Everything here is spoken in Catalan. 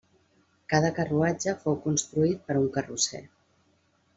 Cada carruatge fou construït per un carrosser.